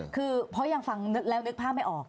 คือเพราะยังฟังแล้วนึกภาพไม่ออก